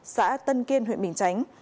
xã tân kiên huyện bình chánh